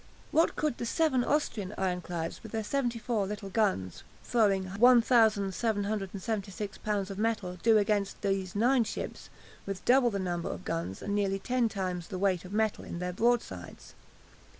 What could the seven Austrian ironclads with their 74 little guns throwing 1776 pounds of metal do against these nine ships with double the number of guns and nearly ten times the weight of metal in their broadsides?